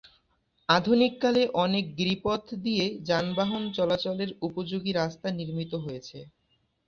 আধুনিককালে অনেক গিরিপথ দিয়ে যানবাহন চলাচলের উপযোগী রাস্তা নির্মিত হয়েছে।